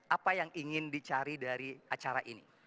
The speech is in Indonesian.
apa yang ingin dicari dari acara ini